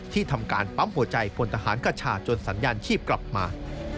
ทำการปั๊มหัวใจพลทหารคชาจนสัญญาณชีพกลับมา